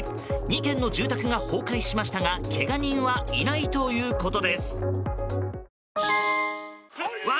２軒の住宅が崩壊しましたがけが人はいないということです。